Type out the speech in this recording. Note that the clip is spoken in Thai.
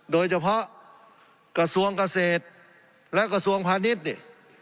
โดยเฉพาะกระทรวงเกษตรและกระทรวงพาณิชย์นี่